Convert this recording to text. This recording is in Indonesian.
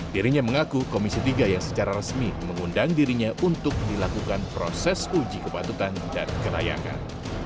dirinya mengaku komisi tiga yang secara resmi mengundang dirinya untuk dilakukan proses uji kepatutan dan kelayakan